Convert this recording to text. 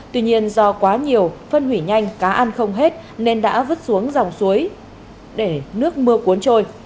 tuy nhiên do quá nhiều phân hủy nhanh cá ăn không hết nên đã vứt xuống dòng suối để nước mưa cuốn trôi